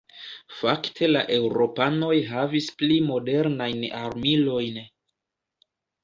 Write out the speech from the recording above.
Fakte la eŭropanoj havis pli modernajn armilojn.